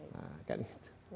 nah kan gitu